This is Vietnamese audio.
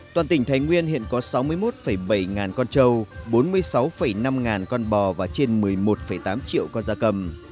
toàn tỉnh thái nguyên hiện có sáu mươi một bảy ngàn con trâu bốn mươi sáu năm ngàn con bò và trên một mươi một tám triệu con da cầm